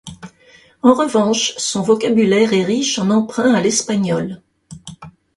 En revanche, son vocabulaire est riche en emprunts à l'espagnol.